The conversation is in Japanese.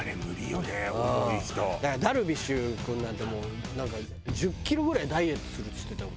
だから樽美酒君なんてもうなんか１０キロぐらいダイエットするっつってたよ。